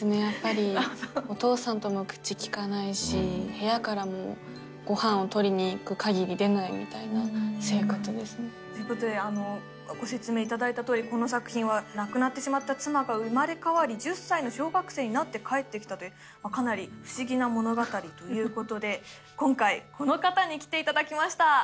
やっぱりお父さんとも口きかないし部屋からもご飯を取りにいくかぎり出ないみたいな生活ですねということでご説明いただいたとおりこの作品は亡くなってしまった妻が生まれ変わり１０歳の小学生になって帰ってきたというかなり不思議な物語ということで今回この方に来ていただきました